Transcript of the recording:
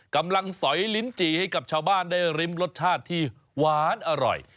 กำลังสอยลิ้นจี่ให้กับชาวบ้านได้ริมรสชาติที่หวานอร่อย